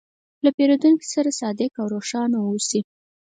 له پیرودونکي سره صادق او روښانه اوسې.